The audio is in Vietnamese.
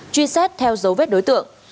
truy xét theo dấu vết đối tượng